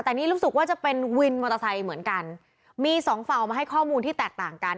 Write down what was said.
แต่นี่รู้สึกว่าจะเป็นวินมอเตอร์ไซค์เหมือนกันมีสองฝั่งมาให้ข้อมูลที่แตกต่างกัน